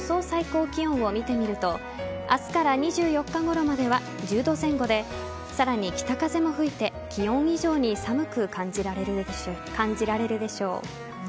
最高気温を見てみると明日から２４日ごろまでは１０度前後でさらに北風も吹いて気温以上に寒く感じられるでしょう。